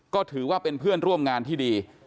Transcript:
ก็ถือว่าเป็นเพื่อนร่วมงานที่ดี